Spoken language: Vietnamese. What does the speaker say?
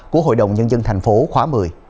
của hội đồng nhân dân tp khoá một mươi